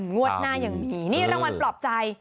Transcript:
งวดหน้ายังมีนี่รางวัลปลอบใจ